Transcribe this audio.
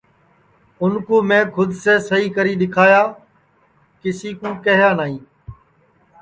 اُن کُو میں کھود سے سہی کری دؔیکھائیاں کیسی کیہیا نائی